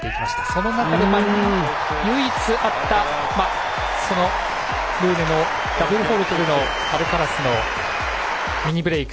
その中で、唯一あったそのルーネのダブルフォールトアルカラスのミニブレーク。